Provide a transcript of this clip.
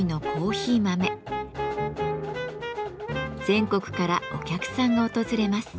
全国からお客さんが訪れます。